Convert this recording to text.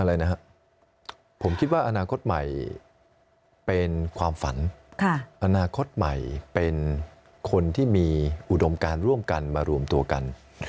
อะไรนะครับผมคิดว่าอนาคตใหม่เป็นความฝันอนาคตใหม่เป็นคนที่มีอุดมการร่วมกันมารวมตัวกัน